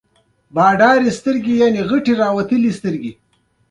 پړانګ د شپې ښکار ته وځي.